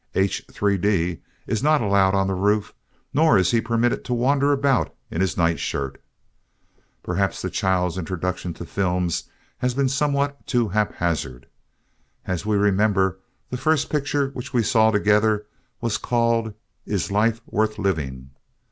H. 3d is not allowed on the roof nor is he permitted to wander about in his nightshirt. Perhaps the child's introduction to the films has been somewhat too haphazard. As we remember, the first picture which we saw together was called "Is Life Worth Living?"